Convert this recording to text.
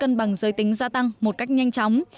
cân bằng giới tính gia tăng một cách nhanh chóng